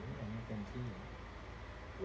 ไม่เต็มที่หรอ